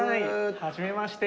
はじめまして。